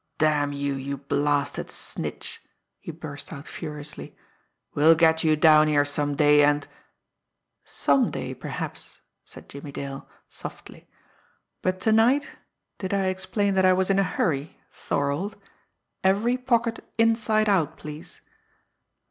"Damn you, you blasted snitch!" he burst out furiously. "We'll get you down here some day, and " "Some day, perhaps," said Jimmie Dale softly. "But to night did I explain that I was in a hurry Thorold! Every pocket inside out, please!"